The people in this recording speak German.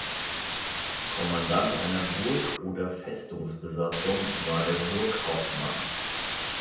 Kommandant einer Burg- oder Festungsbesatzung war der Burghauptmann.